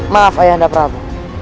maaf ayahanda prabu